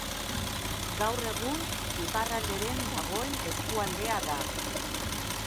Gaur egun iparralderen dagoen eskualdea da.